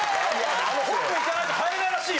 「本部行かないと変えれないらしいよ」